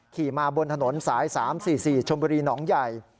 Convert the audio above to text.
ขี่มาบนถนนสาย๓๔๔ชมบุรีหนองใหญ่